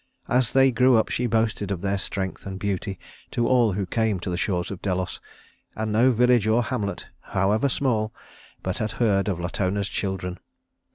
As they grew up she boasted of their strength and beauty to all who came to the shores of Delos, and no village or hamlet however small but had heard of Latona's children.